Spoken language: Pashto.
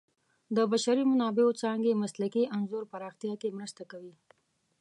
د بشري منابعو څانګې مسلکي انځور پراختیا کې مرسته کوي.